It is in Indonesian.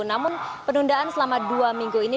namun penundaan selama dua minggu ini